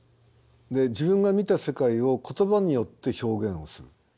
自分が見た世界を言葉によって表現をする。